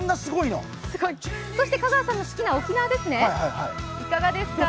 そして香川さんの好きな沖縄ですね、いかがですか？